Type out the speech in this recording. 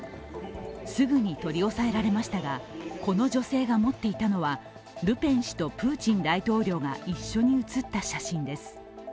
すぐに取り押さえられましたがこの女性が持っていたのはルペン氏とプーチン大統領が一緒に写った写真です。